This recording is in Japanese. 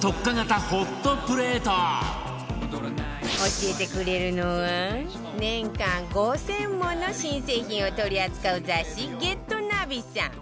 教えてくれるのは年間５０００もの新製品を取り扱う雑誌『ＧｅｔＮａｖｉ』さん